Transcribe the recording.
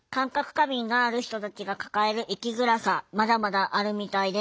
過敏がある人たちが抱える生きづらさまだまだあるみたいです。